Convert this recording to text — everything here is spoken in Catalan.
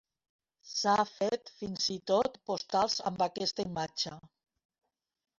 S'han fet fins i tot postals amb aquesta imatge.